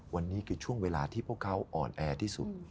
วันนี้คือช่วงเวลาที่พวกเขาอ่อนแอที่สุด